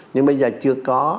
nhưng bây giờ chưa có